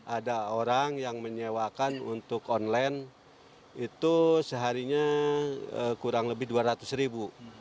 ada orang yang menyewakan untuk online itu seharinya kurang lebih dua ratus ribu